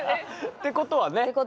ってことはね。